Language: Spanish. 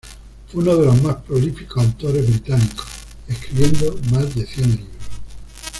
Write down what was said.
Fue uno de los más prolíficos autores británicos, escribiendo más de cien libros.